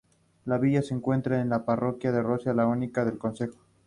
La villa se encuentra en la parroquia de Riosa, la única del concejo.